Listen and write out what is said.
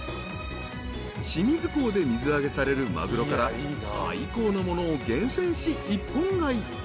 ［清水港で水揚げされるマグロから最高のものを厳選し一本買い］